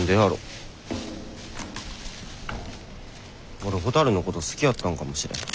俺ほたるのこと好きやったのかもしれへん。